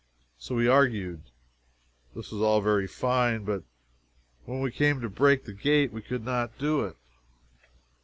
So we argued. This was all very fine, but when we came to break the gate, we could not do it.